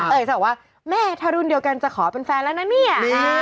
จะบอกว่าแม่ถ้ารุ่นเดียวกันจะขอเป็นแฟนแล้วนะเนี่ย